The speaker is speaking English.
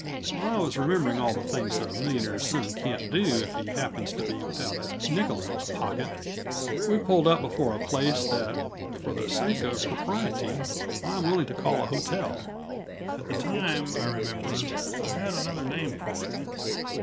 While I was remembering all the things a millionaire's son can't do if he happens to be without a nickel in his pocket, we pulled up before a place that, for the sake of propriety, I am willing to call a hotel; at the time, I remember, I had another name for it.